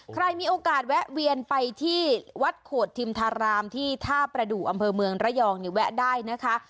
ใครมีโอกาสแวะเวียนไปที่วัดโขดทิมธารามที่ท่าประดูกอำเภอเมืองระยองเนี่ยแวะได้นะคะ